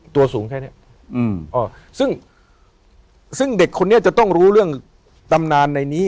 ตัวสูงแค่เนี้ยอืมอ่าซึ่งซึ่งเด็กคนนี้จะต้องรู้เรื่องตำนานในนี้